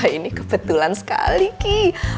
ini kebetulan sekali ki